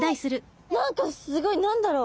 何かすごい！何だろう。